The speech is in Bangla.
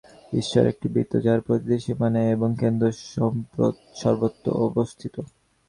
ঈশ্বর একটি বৃত্ত, যাহার পরিধির সীমা নাই এবং কেন্দ্র সর্বত্র অবস্থিত।